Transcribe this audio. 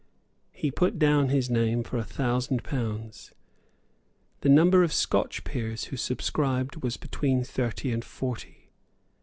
He put down his name for a thousand pounds. The number of Scotch peers who subscribed was between thirty and forty.